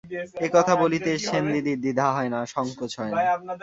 একথা বলিতে সেনদিদির দ্বিধা হয় না, সঙ্কোচ হয় না!